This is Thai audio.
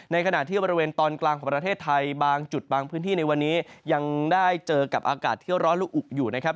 ขณะที่บริเวณตอนกลางของประเทศไทยบางจุดบางพื้นที่ในวันนี้ยังได้เจอกับอากาศที่ร้อนและอุอยู่นะครับ